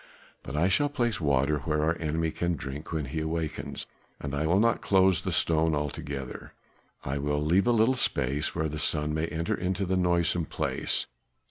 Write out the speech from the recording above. But I shall place water where our enemy can drink when he awakens; and I will not close the stone altogether, I will leave a little space where the sun may enter into that noisome place.